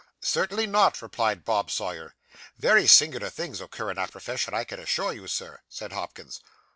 'Certainly not,' replied Bob Sawyer. 'Very singular things occur in our profession, I can assure you, Sir,' said Hopkins.